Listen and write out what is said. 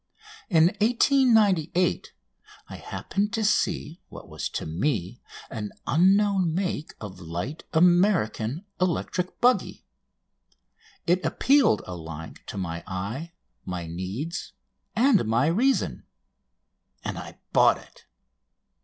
In 1898 I happened to see what was to me an unknown make of light American electric buggy. It appealed alike to my eye, my needs, and my reason, and I bought it.